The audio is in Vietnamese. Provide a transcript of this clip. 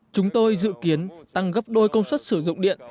chúng tôi dự kiến tăng gấp đôi công suất sử dụng điện